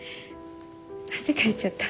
汗かいちゃった。